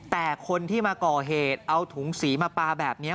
แต่คนที่มาก่อเหตุเอาถุงสีมาปลาแบบนี้